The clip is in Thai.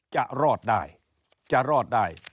จะรอดได้จะรอดได้